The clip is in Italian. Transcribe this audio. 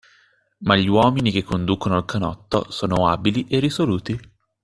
Ma gli uomini che conducono il canotto sono abili e risoluti.